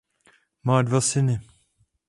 Má dva syny.